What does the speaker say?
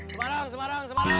semarang semarang semarang